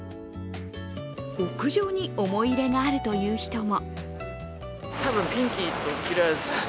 屋上に思い入れがあるという人も。